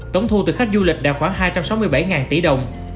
tổng thu từ khách du lịch đạt khoảng hai trăm sáu mươi bảy tỷ đồng